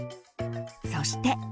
そして。